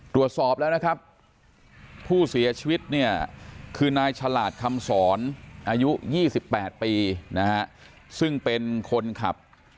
ตรวจสอบแล้วผู้เสียชีวิตคือนายฉลาดคำสอนอายุ๒๘ปีซึ่งเป็นคนขับ